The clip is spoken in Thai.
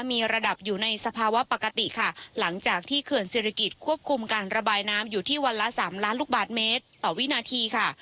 มีระดับอยู่ในสภาวะปกติค่ะหลังจากที่เขื่อนศิริกิจควบคุมการระบายน้ำอยู่ที่วันละสามล้านลูกบาทเมตรต่อวินาทีค่ะ